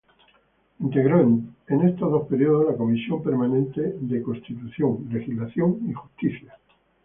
Integró en estos dos períodos la Comisión permanente de Constitución, Legislación y Justicia.